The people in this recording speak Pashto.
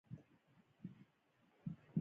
سپین ږیرو یې درناوی کاوه.